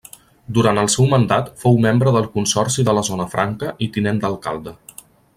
Durant el seu mandat fou membre del Consorci de la Zona Franca i tinent d'alcalde.